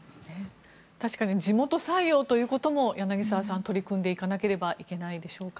確かに地元採用ということも柳澤さん取り組んでいかなければいけないでしょうか。